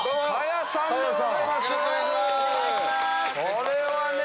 これはね。